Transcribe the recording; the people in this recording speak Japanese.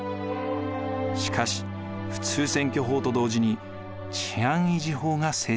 しかし普通選挙法と同時に治安維持法が制定されました。